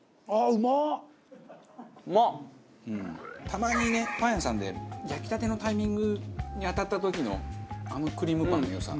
たまにねパン屋さんで焼きたてのタイミングに当たった時のあのクリームパンの良さ。